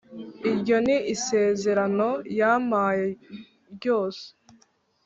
Iryo ni isezera no yampaye ryose